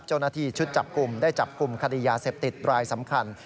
เจ้าหน้าที่ชุดจับกลุ่มได้จับกลุ่มคดียาเสพติดรายสำคัญ